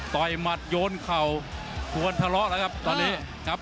ต่อยมัดโยนเขาควรทะเลาะนะครับตอนนี้